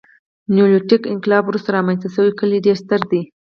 نیولیتیک انقلاب وروسته رامنځته شوي کلي ډېر ستر دي.